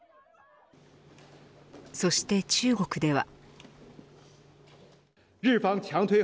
そして、中国では。